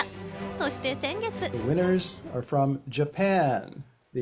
そして先月。